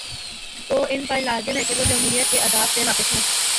تو ان پرلازم ہے کہ وہ جمہوریت کے آداب سے واقف ہوں۔